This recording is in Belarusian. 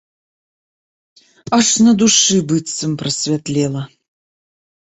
Аж на душы быццам прасвятлела.